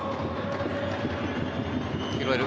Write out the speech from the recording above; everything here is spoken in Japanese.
拾える。